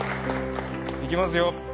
行きますよ